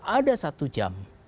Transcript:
ada satu jam